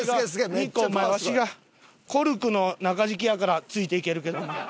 にこお前わしがコルクの中敷きやからついていけるけど。